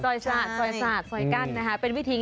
ด้วยใจกันจริง